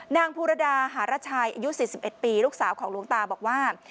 นางภูรดาหารชัยอายุ๔๑ปีลูกสาวของหลวงตาบอกว่า